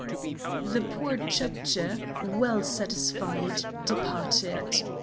The poor Chepdji, well satisfied, departed.